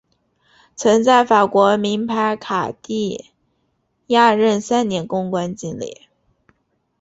曾在法国名牌卡地亚任三年公关经理。